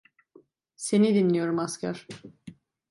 Seni dinliyorum asker.